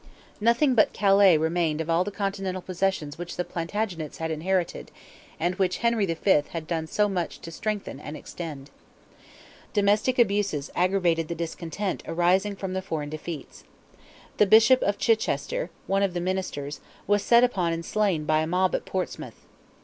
Nothing but Calais remained of all the Continental possessions which the Plantagenets had inherited, and which Henry V. had done so much to strengthen and extend. Domestic abuses aggravated the discontent arising from foreign defeats. The Bishop of Chichester, one of the ministers, was set upon and slain by a mob at Portsmouth.